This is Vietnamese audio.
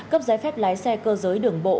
cấp giấy phép lái xe cơ giới đường bộ